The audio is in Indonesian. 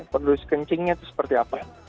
penulis kencingnya itu seperti apa